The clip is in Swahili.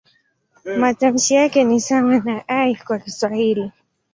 Matamshi yake ni sawa na "i" kwa Kiswahili.